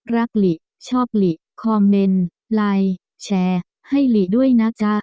หลีชอบหลีคอมเมนต์ไลน์แชร์ให้หลีด้วยนะจ๊ะ